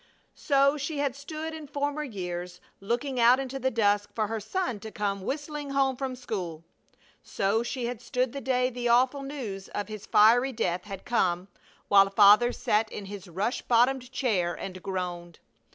So she had stood in former years looking out into the dusk for her son to come whistling home from school. So she had stood the day the awful news of his fiery death had come, while Father sat in his rush bottomed chair and groaned.